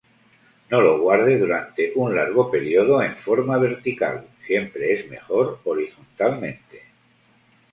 No lo guarde durante un largo período en forma vertical, siempre es mejor horizontalmente.